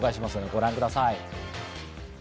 ご覧ください。